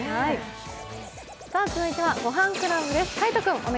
続いては「ごはんクラブ」です。